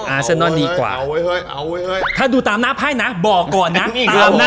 อาเซนนอนดีกว่าเอาเว้ยเว้ยเอาเว้ยเว้ยถ้าดูตามหน้าไพ่นะบอกก่อนนะตามหน้าไพ่นะ